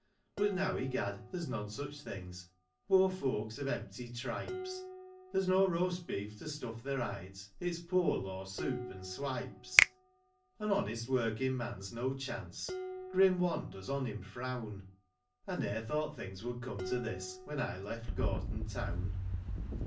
But now, egad ! there's none such things ; Poor folks have empty tripes ; There's no roast beef to stuff their hides, Its Poor Law soup and swipes. An honest working man's no chance ; Grim want does on him frown ; I ne'er thought things would come to this, When I left Gorton town.